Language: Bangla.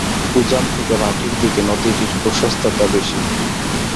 উজান থেকে ভাটির দিকে নদীটির প্রশস্ততা বেশি।